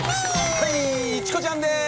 はいチコちゃんです。